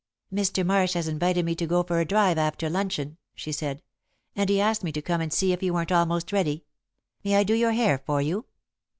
"Mr. Marsh has invited me to go for a drive after luncheon," she said, "and he asked me to come and see if you weren't almost ready. May I do your hair for you?"